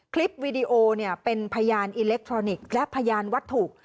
คลิปวีดีโอเป็นพยานอิเล็กทรอนิกส์และพยานวัตถุ